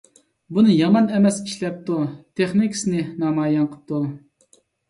بۇنى يامان ئەمەس ئىشلەپتۇ، تېخنىكىسىنى نامايان قىلىپتۇ.